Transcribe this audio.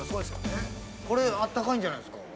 ◆これ、あったかいんじゃないですか？